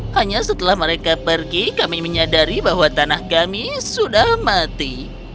hanya setelah mereka pergi kami menyadari bahwa tanah kami sudah mati